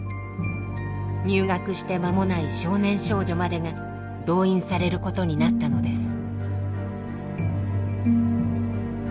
入学して間もない少年少女までが動員されることになったのです。